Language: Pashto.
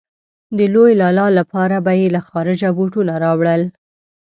د لوی لالا لپاره به يې له خارجه بوټونه راوړل.